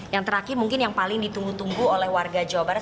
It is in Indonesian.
yang terakhir mungkin yang paling ditunggu tunggu oleh warga jawa barat